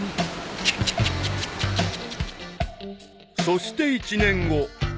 ［そして１年後］